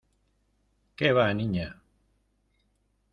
¡ qué va, Niña!